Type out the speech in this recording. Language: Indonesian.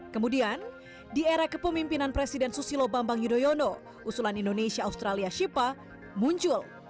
kemudian di era kepemimpinan presiden susilo bambang yudhoyono usulan indonesia australia shipa muncul